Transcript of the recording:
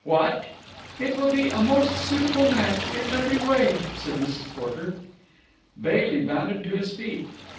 "What!" "It will be a most suitable match in every way," said Mrs. Porter. Bailey bounded to his feet.